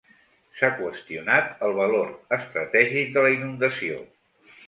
S'ha qüestionat el valor estratègic de la inundació.